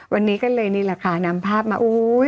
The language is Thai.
วันนี้ก็เลยนี่แหละค่ะนำภาพมาอุ้ย